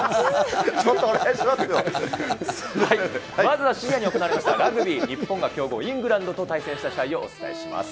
まずは深夜に行われましたラグビー、日本が強豪、イングランドと対戦した試合をお伝えします。